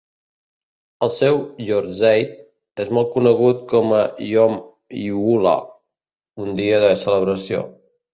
El seu "yorzeit" és molt conegut com a "Yom Hillula", un dia de celebració.